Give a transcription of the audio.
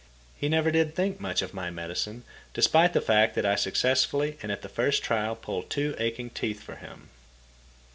He never did think much of my medicine, despite the fact that I successfully and at the first trial pulled two aching teeth for him.